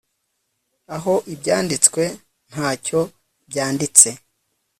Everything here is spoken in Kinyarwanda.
Aho ibyanditswe ntacyo byanditse